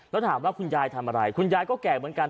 แล้วถามว่าคุณยายทำอะไรคุณยายก็แก่เหมือนกัน